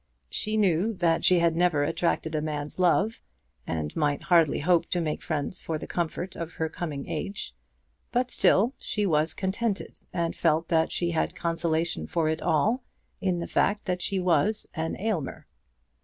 She knew that she had never attracted a man's love, and might hardly hope to make friends for the comfort of her coming age. But still she was contented, and felt that she had consolation for it all in the fact that she was an Aylmer.